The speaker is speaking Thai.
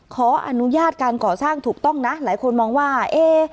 ขออนุญาตการก่อสร้างถูกต้องนะหลายคนมองว่าเอ๊